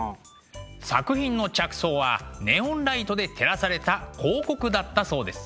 作品の着想はネオンライトで照らされた広告だったそうです。